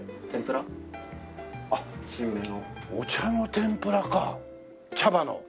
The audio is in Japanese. お茶の天ぷらか茶葉の。